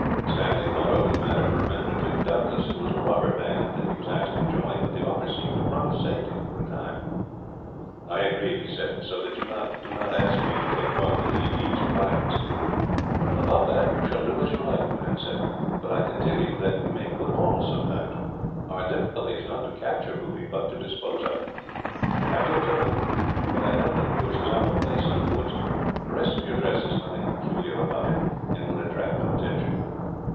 Stanley thought over the matter, for a minute or two. Doubtless it was a robber band that he was asked to join, but the offer seemed to promise safety, for a time. "I agree," he said, "so that you do not ask me to take part in any deeds of violence." "About that, you shall do as you like," the man said; "but I can tell you that we make good hauls, sometimes. Our difficulty is not to capture booty, but to dispose of it. "Have you a turban? For that helmet of yours is out of place, in the woods. The rest of your dress has nothing peculiar about it, and would attract no attention."